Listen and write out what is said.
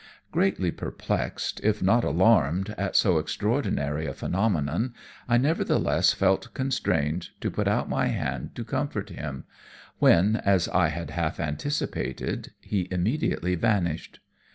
"Greatly perplexed, if not alarmed, at so extraordinary a phenomenon, I nevertheless felt constrained to put out my hand to comfort him when, as I had half anticipated, he immediately vanished.